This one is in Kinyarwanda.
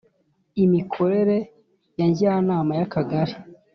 Imikorere ya njyanama y akagari